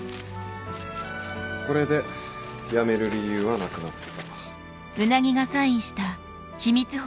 これで辞める理由はなくなった。